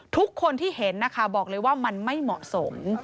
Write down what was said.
ทุกคนที่เห็นนะคะบอกเลยว่ามันไม่เหมาะสม